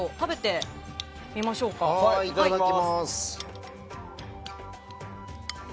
いただきます。